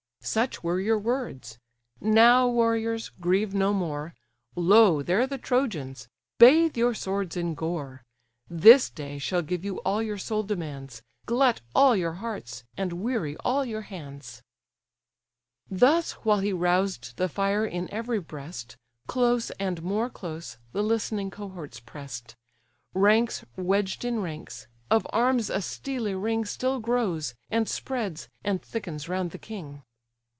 Such were your words—Now, warriors! grieve no more, Lo there the Trojans; bathe your swords in gore! This day shall give you all your soul demands, Glut all your hearts, and weary all your hands!" DIANA Thus while he roused the fire in every breast, Close and more close the listening cohorts press'd; Ranks wedged in ranks; of arms a steely ring Still grows, and spreads, and thickens round the king.